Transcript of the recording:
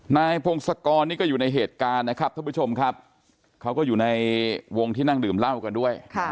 นายพงศกรนี่ก็อยู่ในเหตุการณ์นะครับท่านผู้ชมครับเขาก็อยู่ในวงที่นั่งดื่มเหล้ากันด้วย